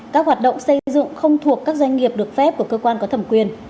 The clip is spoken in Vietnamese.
các hoạt động xây dựng không thuộc các doanh nghiệp được phép của cơ quan có thẩm quyền